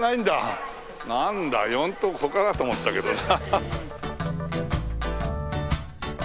なんだ４等これかなと思ったけどな。